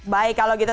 baik kalau gitu